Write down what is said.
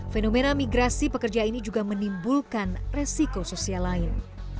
fenomena migrasi pekerja ini juga menimbulkan resiko sosial lain